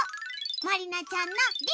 まりなちゃんの「り」。